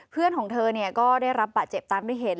เพื่อนของเธอเนี่ยก็ได้รับบัตรเจ็บตังค์ด้วยเหตุ